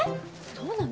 そうなの？